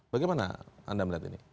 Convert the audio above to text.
bagaimana anda melihat ini